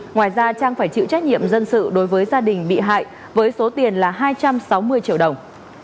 ngoài ra trang phải chịu trách nhiệm dân sự đối với gia đình bị hại với số tiền là hai trăm sáu mươi triệu đồng